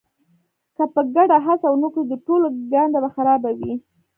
که په ګډه هڅه ونه کړو د ټولو ګانده به خرابه وي.